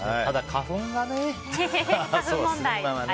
ただ花粉がね。